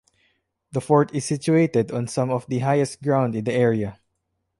The fort is situated on some of the highest ground in the area.